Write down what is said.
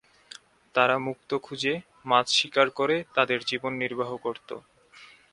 তারা মুক্তো খুঁজে, মাছ শিকার করে তাদের জীবন নির্বাহ করতো।